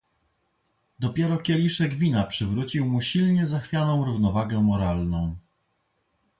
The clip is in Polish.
"Dopiero kieliszek wina przywrócił mu silnie zachwianą równowagę moralną."